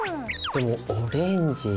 でもオレンジ。